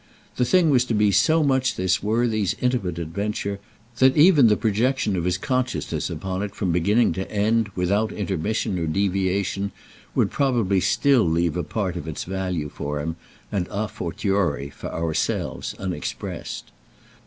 The thing was to be so much this worthy's intimate adventure that even the projection of his consciousness upon it from beginning to end without intermission or deviation would probably still leave a part of its value for him, and a fortiori for ourselves, unexpressed.